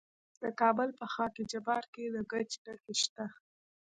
د کابل په خاک جبار کې د ګچ نښې شته.